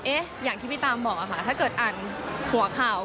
อย่างที่พี่ตามบอกค่ะถ้าเกิดอ่านหัวข่าว